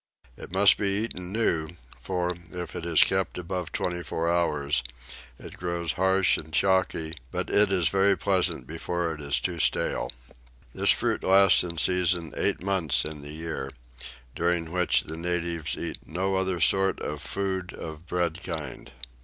It must be eaten new; for, if it is kept above twenty four hours, it grows harsh and choaky; but it is very pleasant before it is too stale. This fruit lasts in season EIGHT MONTHS in the year, during which the natives eat NO OTHER SORT OF FOOD OF BREAD KIND.